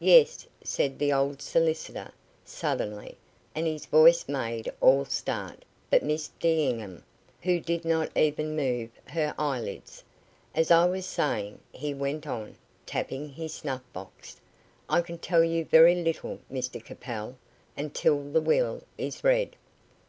"Yes," said the old solicitor, suddenly, and his voice made all start but Miss D'Enghien, who did not even move her eyelids; "as I was saying," he went on, tapping his snuff box, "I can tell you very little, Mr Capel, until the will is read."